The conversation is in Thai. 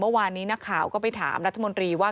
เมื่อวานนี้นักข่าวก็ไปถามรัฐมนตรีว่า